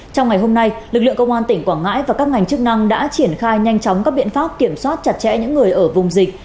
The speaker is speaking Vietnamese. trong ngày hôm nay lực lượng công an tỉnh quảng ngãi và các ngành chức năng đã triển khai nhanh chóng các biện pháp kiểm soát chặt chẽ những người ở vùng dịch